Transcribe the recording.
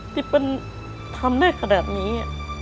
ที่เป็นทำได้ขนาดนี้